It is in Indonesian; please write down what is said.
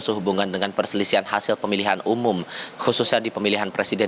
sehubungan dengan perselisihan hasil pemilihan umum khususnya di pemilihan presiden dua ribu dua puluh empat